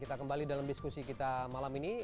kita kembali dalam diskusi kita malam ini